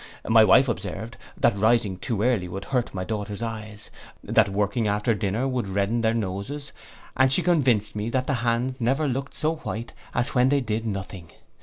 My wife observed, that rising too early would hurt her daughters' eyes, that working after dinner would redden their noses, and she convinced me that the hands never looked so white as when they did nothing.